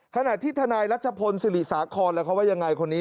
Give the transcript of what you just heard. ขณะที่ทนายรัชพลศิริสาครแล้วเขาว่ายังไงคนนี้